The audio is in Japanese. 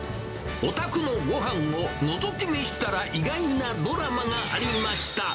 お宅のごはんをのぞき見したら意外なドラマがありました。